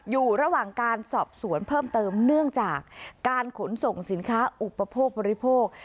อยู่ระหว่างการสอบสวนเพิ่มเติมเนื่องจากการขนส่งสินค้าอุปโภคบริโภค